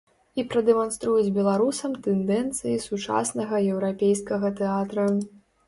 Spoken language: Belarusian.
І прадэманструюць беларусам тэндэнцыі сучаснага еўрапейскага тэатра.